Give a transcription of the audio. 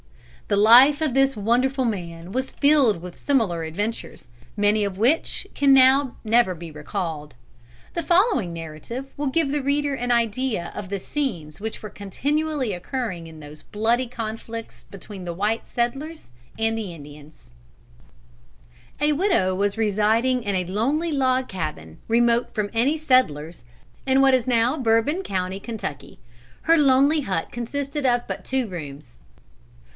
The life of this wonderful man was filled with similar adventures, many of which can now never be recalled. The following narrative will give the reader an idea of the scenes which were continually occurring in those bloody conflicts between the white settlers and the Indians: "A widow was residing in a lonely log cabin, remote from any settlers, in what is now Bourbon County, Kentucky. Her lonely hut consisted of but two rooms.